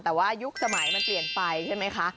แต่ว่ายุคสมัยมันเปลี่ยนไปใช่ไหมคะ